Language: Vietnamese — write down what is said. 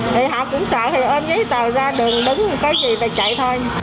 thì họ cũng sợ thì ôm giấy tờ ra đường đứng có gì thì chạy thôi